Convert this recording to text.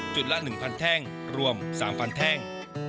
จุดละ๑พันแท่งรวม๓พันแท่ง